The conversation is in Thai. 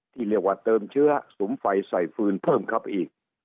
ชาวเติมเชื้อสูมไฟใส่ฟื้นเพิ่มครับอีก